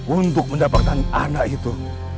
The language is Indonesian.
untuk mendapatkan anak itu